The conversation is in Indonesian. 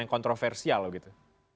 yang kontroversial gitu